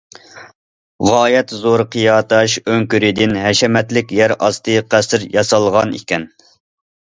غايەت زور قىيا تاش ئۆڭكۈرىدىن ھەشەمەتلىك يەر ئاستى قەسىر ياسالغان ئىكەن.